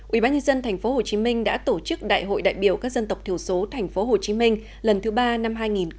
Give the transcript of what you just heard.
ubnd tp hcm đã tổ chức đại hội đại biểu các dân tộc thiểu số tp hcm lần thứ ba năm hai nghìn một mươi chín